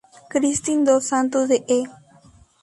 Kristin dos Santos de E!